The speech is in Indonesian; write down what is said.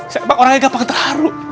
sayang banget orangnya gampang terharu